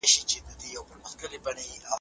سوداګر باید د خپل هېواد نوم وساتي.